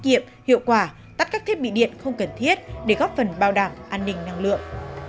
kiệm hiệu quả tắt các thiết bị điện không cần thiết để góp phần bảo đảm an ninh năng lượng